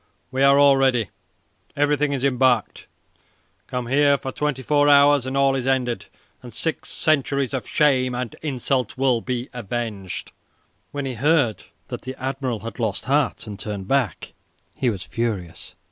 We are all ready. Everything is embarked. Come here for twenty four hours and all is ended, and six centuries of shame and insult will be avenged." When he heard that the admiral had lost heart and turned back he was furious.